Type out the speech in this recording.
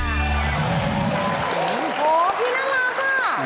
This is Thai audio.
โอ้โฮพี่น่ารักค่ะ